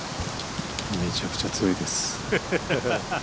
めちゃくちゃ強いです。